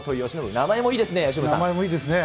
名前もいいですね。